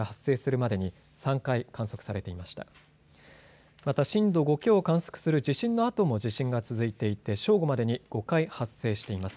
また震度５強を観測する地震のあとも地震が続いていて正午までに５回発生しています。